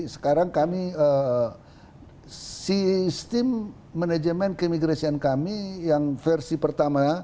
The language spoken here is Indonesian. sekarang kami sistem manajemen keimigrasian kami yang versi pertama